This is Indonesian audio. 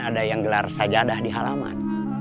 ada yang gelar sajadah di halaman